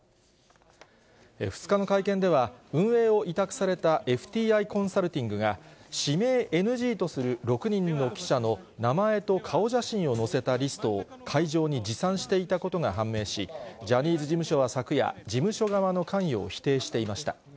２日の会見では、運営を委託されたＦＴＩコンサルティングが、指名ＮＧとする６人の記者の名前と顔写真を載せたリストを会場に持参していたことが判明し、ジャニーズ事務所は昨夜、事務所側の関与を否定していました。